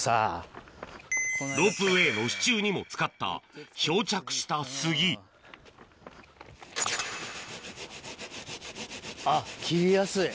ロープウエーの支柱にも使った漂着した杉あっ切りやすい。